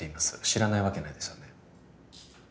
知らないわけないですよね？